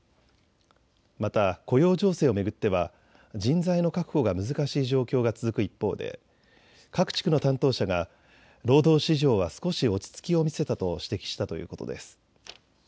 また、雇用情勢を巡っては人材の確保が難しい状況が続く一方で各地区の担当者が労働市場は少し落ち着きを見せたと指摘したということです。